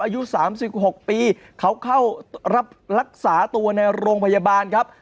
อายุ๓๖ปีเขาเข้ารับรักษาตัวในโรงพยาบาลครับ